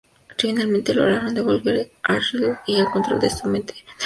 Finalmente lograron devolver a Ryu el control de su mente y derrotaron a Bison.